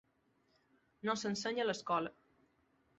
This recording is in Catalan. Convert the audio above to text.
No s’ensenya a l’escola.